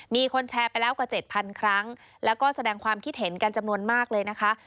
มีคนแชร์ไปแล้วกว่าเจ็ดพันครั้งแล้วก็แสดงความคิดเห็นกันจำนวนมากเลยนะคะ